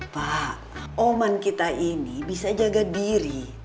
pak oman kita ini bisa jaga diri